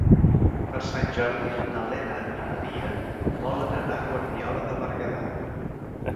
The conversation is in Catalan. Per Sant Jordi na Lena i na Lia volen anar a Guardiola de Berguedà.